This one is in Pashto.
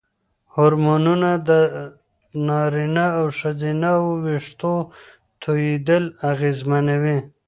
هورمونونه د نارینه او ښځینه وېښتو توېیدل اغېزمنوي.